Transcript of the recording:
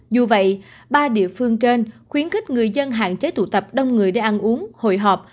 dù vậy ba địa phương trên khuyến khích người dân hạn chế tụ tập đông người để ăn uống hội họp